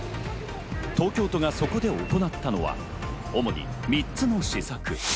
東京都がそこで行ったのは、主に３つの施策。